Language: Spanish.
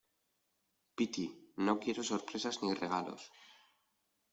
piti, no quiero sorpresas ni regalos